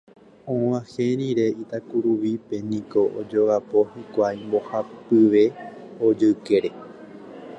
Og̃uahẽ rire Itakuruvípe niko ojogapo hikuái mbohapyve ojoykére.